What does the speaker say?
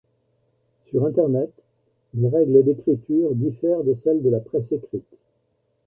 Sur Internet, les règles d'écriture diffèrent de celles de la presse écrite.